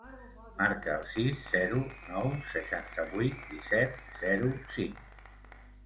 Marca el sis, zero, nou, seixanta-vuit, disset, zero, cinc.